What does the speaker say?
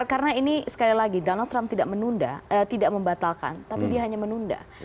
karena ini sekali lagi donald trump tidak menunda tidak membatalkan tapi dia hanya menunda